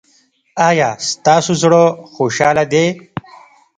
ایا ستاسو زړه خوشحاله دی؟